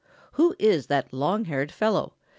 ] "Who is that long haired fellow?"